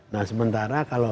nah sementara kalau